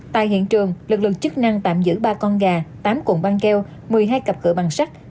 tại hiện trường lực lượng chức năng tạm giữ ba con gà tám cuộn băng keo một mươi hai cặp cửa bằng sắt